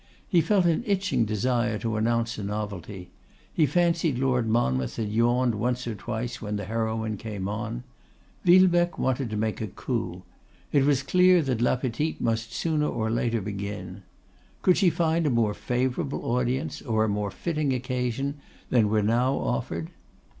He felt an itching desire to announce a novelty. He fancied Lord Monmouth had yawned once or twice when the heroine came on. Villebecque wanted to make a coup. It was clear that La Petite must sooner or later begin. Could she find a more favourable audience, or a more fitting occasion, than were now offered?